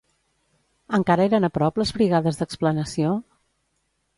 Encara eren a prop les brigades d'explanació?